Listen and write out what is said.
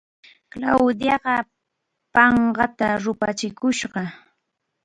Claudiaqa phakanta ruphachikusqa.